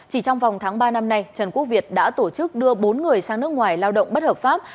chỉ trong vòng tháng ba năm nay trần quốc việt đã tổ chức đưa bốn người sang nước ngoài lao động bất hợp pháp